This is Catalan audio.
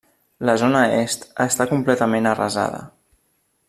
La zona est està completament arrasada.